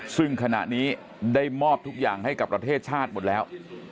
ซึ่งขณะนี้ได้มอบทุกอย่างให้กับประเทศชาติหมดแล้ว